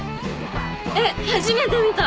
えっ初めて見た。